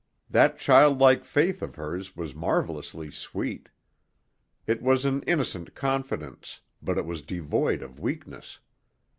That child like faith of hers was marvellously sweet. It was an innocent confidence, but it was devoid of weakness.